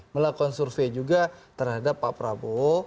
melakukan survei juga terhadap pak prabowo